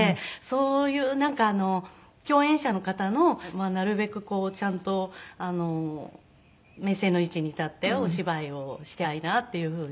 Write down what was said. そういうなんか共演者の方のなるべくこうちゃんと目線の位置に立ってお芝居をしたいなっていうふうに。